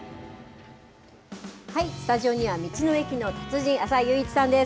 スタジオには、道の駅の達人、浅井佑一さんです。